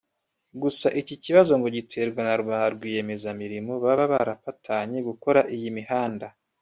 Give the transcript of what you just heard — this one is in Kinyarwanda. gusa iki kibazo ngo giterwa na ba rwiyemezamirimo baba barapatanye gukora iyi mihanda